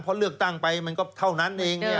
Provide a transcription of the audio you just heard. เพราะเลือกตั้งไปมันก็เท่านั้นเอง